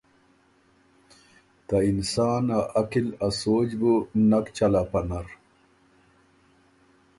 ته انسان ا عقل ا سوچ بُو نک چلا پۀ نر۔